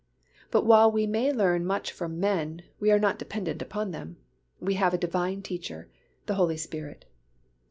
But while we may learn much from men, we are not dependent upon them. We have a Divine Teacher, the Holy Spirit.